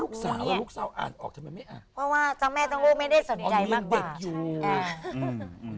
เพราะว่าสามแม่สามลูกไม่ได้สนใจมากก่อน